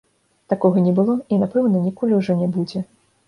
Такога не было і, напэўна, ніколі ўжо не будзе.